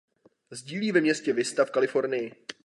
Sídlí ve městě Vista v Kalifornii.